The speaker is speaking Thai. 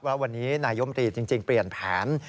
ว่าวันนี้นายมตรีจริงเปลี่ยนแผน